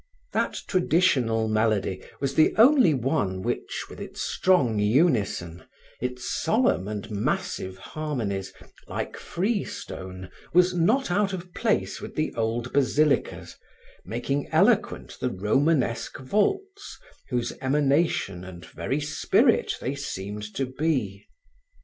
That traditional melody was the only one which, with its strong unison, its solemn and massive harmonies, like freestone, was not out of place with the old basilicas, making eloquent the Romanesque vaults, whose emanation and very spirit they seemed to be.